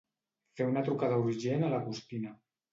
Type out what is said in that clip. Fer una trucada urgent a l'Agostina.